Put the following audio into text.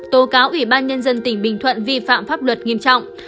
tố cáo ủy ban nhân dân tỉnh bình thuận vi phạm pháp luật nghiêm trọng